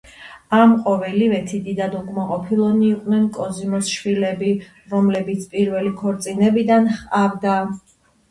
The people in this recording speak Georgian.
ამ ყოველივეთი დიდად უკმაყოფილონი იყვნენ კოზიმოს შვილები, რომლებიც პირველი ქორწინებიდან ჰყავდა.